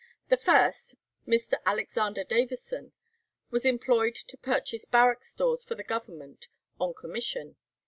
The first, Mr. Alexander Davison, was employed to purchase barrack stores for the Government on commission.